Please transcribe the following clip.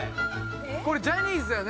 これジャニーズだよね